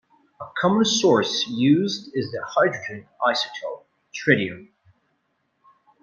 A common source used is the hydrogen isotope, tritium.